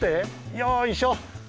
よいしょ。